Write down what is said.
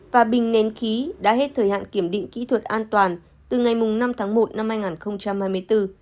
và bình nén khí đã hết thời hạn kiểm định kỹ thuật an toàn từ ngày năm tháng một năm hai nghìn hai mươi bốn